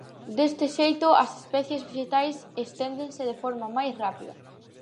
Deste xeito as especies vexetais esténdense de forma máis rápida.